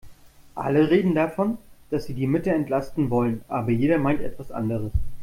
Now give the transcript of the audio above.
Alle reden davon, dass sie die Mitte entlasten wollen, aber jeder meint etwas anderes.